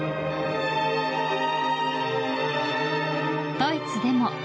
ドイツでも。